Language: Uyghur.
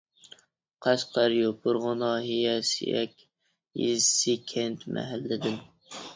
قەشقەر يوپۇرغا ناھىيە سىيەك يېزىسى - كەنت، - مەھەللىدىن.